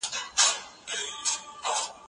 استاد شاګرد ته د موضوع چوکاټ جوړ کړ.